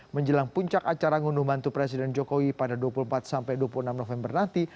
menjelang puncak acara ngunduh mantu presiden jokowi pada dua puluh empat sampai dua puluh enam november nanti